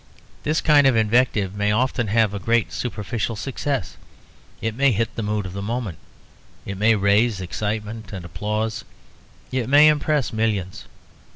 This kind of invective may often have a great superficial success: it may hit the mood of the moment; it may raise excitement and applause; it may impress millions.